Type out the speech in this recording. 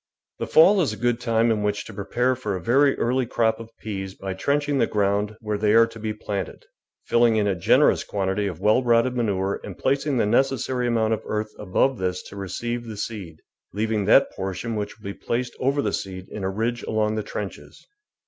The fall is a good time in which to prepare for a very early crop of peas by trenching the ground where they are to be planted, filling in a generous quantity of w^ell rotted manure and placing the necessary amount of earth above this to receive the seed, leaving that portion which will be placed over the seed in a ridge along the trenches.